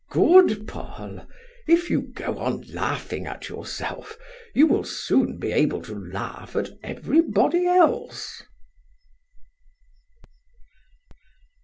"Good Paul! If you go on laughing at yourself, you will soon be able to laugh at everybody else."